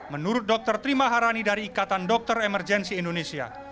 menurut dr trimah harani dari ikatan dokter emergensi indonesia